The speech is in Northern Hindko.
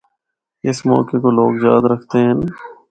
اس موقعہ کو لوگ یاد رکھدے ہن۔